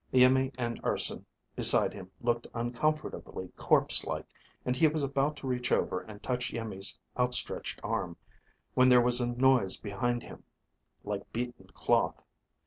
Iimmi and Urson beside him looked uncomfortably corpse like, and he was about to reach over and touch Iimmi's outstretched arm when there was a noise behind him, like beaten cloth.